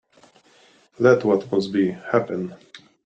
Let what must be, happen.